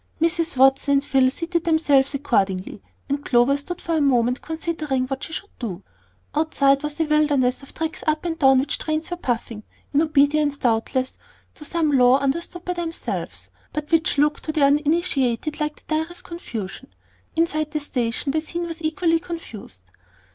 Mrs. Watson and Phil seated themselves accordingly, and Clover stood for a moment considering what she should do. Outside was a wilderness of tracks up and down which trains were puffing, in obedience, doubtless, to some law understood by themselves, but which looked to the uninitiated like the direst confusion. Inside the station the scene was equally confused.